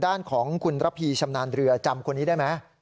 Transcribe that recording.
ด้านของคุณระพีชำนาญเรือจำคนนี้ได้ไหม